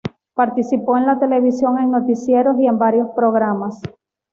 Participó en la televisión en noticieros y varios programas.